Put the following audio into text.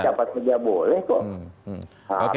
dapat saja boleh kok